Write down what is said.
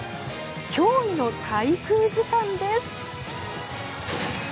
驚異の滞空時間です。